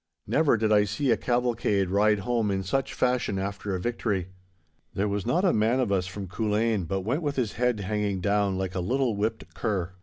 Never did I see a cavalcade ride home in such fashion after a victory. There was not a man of us from Culzean but went with his head hanging down like a little whipped cur.